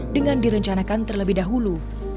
dengan direncanakan terlebih dahulu